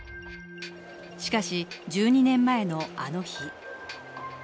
しかし、１２年前のあの日。